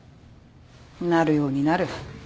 「なるようになる」